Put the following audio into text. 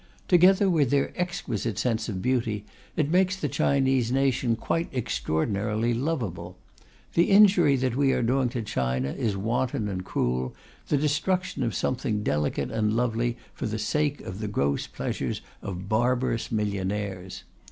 Together with their exquisite sense of beauty, it makes the Chinese nation quite extraordinarily lovable. The injury that we are doing to China is wanton and cruel, the destruction of something delicate and lovely for the sake of the gross pleasures of barbarous millionaires.